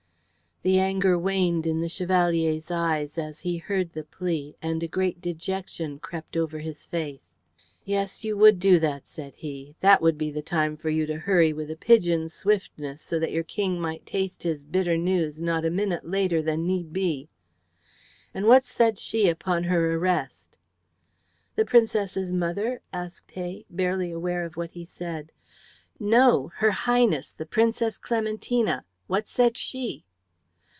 The anger waned in the Chevalier's eyes as he heard the plea, and a great dejection crept over his face. "Yes, you would do that," said he. "That would be the time for you to hurry with a pigeon's swiftness so that your King might taste his bitter news not a minute later than need be. And what said she upon her arrest?" "The Princess's mother?" asked Hay, barely aware of what he said. "No. Her Highness, the Princess Clementina. What said she?"